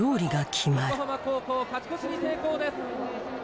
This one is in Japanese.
横浜高校勝ち越しに成功です。